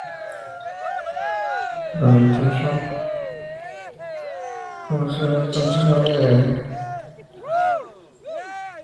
Durante un show, conoció a la entonces novia de Keith Richards, Linda Keith.